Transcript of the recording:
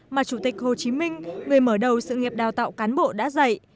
mà chủ tịch hồ chí minh người mở đầu sự nghiệp đào tạo cán bộ đã dạy